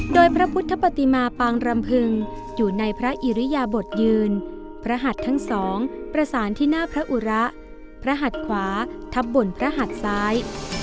โดยพระพุทธปฏิมาปางรำพึงอยู่ในพระอิริยบทยืนพระหัดทั้งสองประสานที่หน้าพระอุระพระหัดขวาทับบนพระหัดซ้าย